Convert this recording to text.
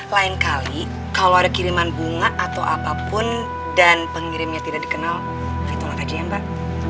lain kali kalau ada kiriman bunga atau apapun dan pengirimnya tidak dikenal vital aja yang baru